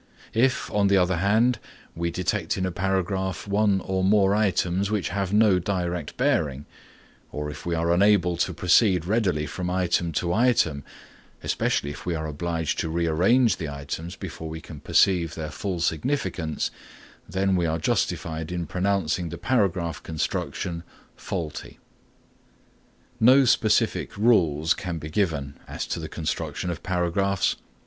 If, on the other hand, we detect in a paragraph one or more items which have no direct bearing, or if we are unable to proceed readily from item to item, especially if we are obliged to rearrange the items before we can perceive their full significance, then we are justified in pronouncing the paragraph construction faulty. No specific rules can be given as to the construction of paragraphs.